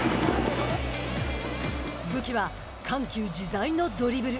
武器は、緩急自在のドリブル。